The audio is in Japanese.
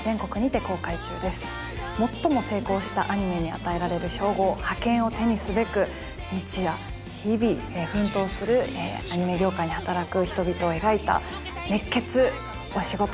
最も成功したアニメに与えられる称号覇権を手にすべく日夜日々奮闘するアニメ業界で働く人々を描いた熱血お仕事